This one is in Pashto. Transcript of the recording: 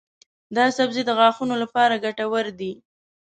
دا سبزی د غاښونو لپاره ګټور دی.